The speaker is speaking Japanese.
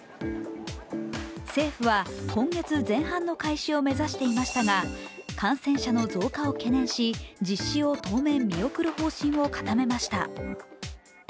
政府は今月前半の開始を目指していましたが感染者の増加を懸念し実施を当面、見送る方針を固めました。